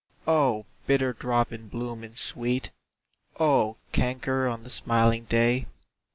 O, bitter drop in bloom and sweet! O, canker on the smiling day!